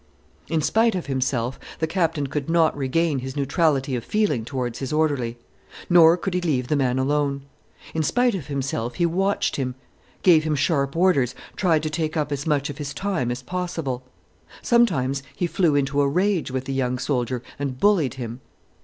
In spite of himself, the Captain could not regain his neutrality of feeling towards his orderly. Nor could he leave the man alone. In spite of himself, he watched him, gave him sharp orders, tried to take up as much of his time as possible. Sometimes he flew into a rage with the young soldier, and bullied him.